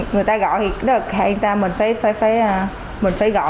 người ta gọi thì người ta mình phải gọi